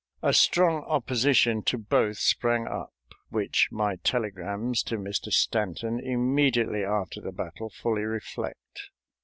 A strong opposition to both sprang up, which my telegrams to Mr. Stanton immediately after the battle fully reflect.